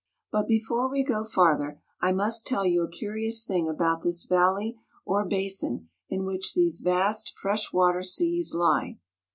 But before we go farther, I must tell you a curious thing about this valley or basin in which these vast fresh water seas lie.